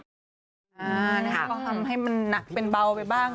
ก็ทำให้มันหนักเป็นเบาไปบ้าง